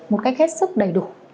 một cách hết sức đầy đủ